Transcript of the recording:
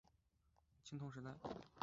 乙沙尔墓地的历史年代为青铜时代。